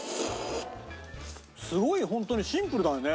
すごいホントにシンプルだよね。